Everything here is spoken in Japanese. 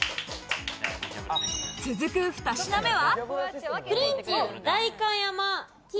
続く２品目は。